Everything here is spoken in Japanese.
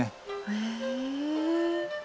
へえ。